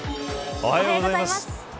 おはようございます。